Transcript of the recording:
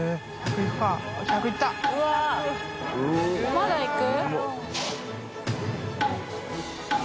まだいく？